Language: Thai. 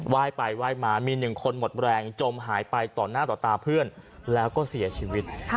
ยไปไหว้มามีหนึ่งคนหมดแรงจมหายไปต่อหน้าต่อตาเพื่อนแล้วก็เสียชีวิต